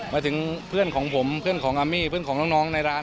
มาถึงเพื่อนของผมเพื่อนของอามี่เพื่อนของน้องในร้าน